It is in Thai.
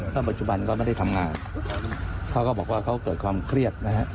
แล้วปัจจุบันก็ไม่ได้ทำงานเขาก็บอกว่าเขาเกิดความเครียดนะฮะ